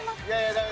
ダメ！